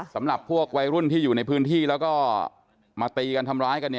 สำหรับพวกวัยรุ่นที่อยู่ในพื้นที่แล้วก็มาตีกันทำร้ายกัน